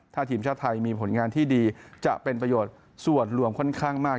ถ้าทีมชาติไทยมีผลงานที่ดีจะเป็นประโยชน์ส่วนรวมค่อนข้างมาก